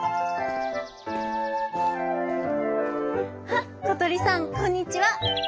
「あっことりさんこんにちは。